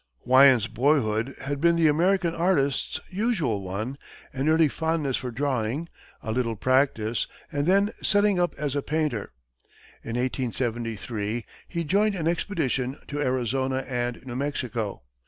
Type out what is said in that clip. Wyant's boyhood had been the American artist's usual one an early fondness for drawing, a little practice, and then setting up as a painter. In 1873 he joined an expedition to Arizona and New Mexico.